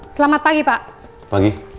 selamat pagi pak